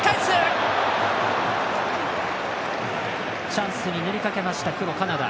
チャンスになりかけましたカナダ。